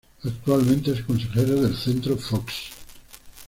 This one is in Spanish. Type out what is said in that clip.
Actualmente es Consejero del Centro Fox.